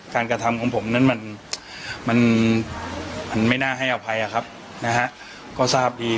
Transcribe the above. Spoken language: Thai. กระทำของผมนั้นมันมันไม่น่าให้อภัยอะครับนะฮะก็ทราบดี